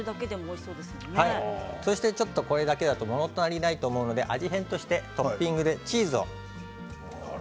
これだけだともの足りないと思うので味変としてトッピングでチーズを。